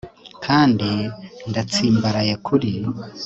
kandi ndatsimbaraye kuri